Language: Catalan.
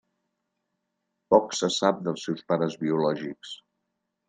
Poc se sap dels seus pares biològics.